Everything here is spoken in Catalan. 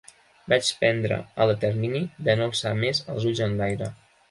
Vaig prendre el determini de no alçar més els ulls enlaire.